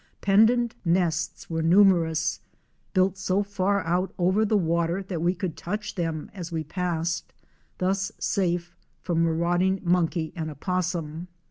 Pendent nests were numerous, built so far out over the water that we could touch them as we passed, thus safe from marauding monkey and opossum.